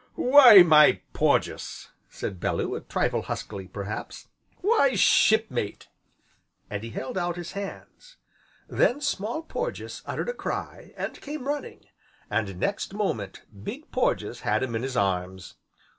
"Why my Porges!" said Bellew, a trifle huskily, perhaps, "why, Shipmate!" and he held out his hands. Then Small Porges uttered a cry, and came running, and next moment Big Porges had him in his arms.